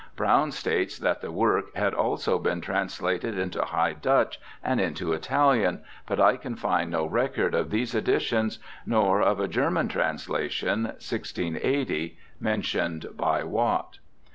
Browne states that the work had also been translated into High Dutch and into Italian, but I can find no record of these editions, nor of a German translation, 1680, mentioned by Watt.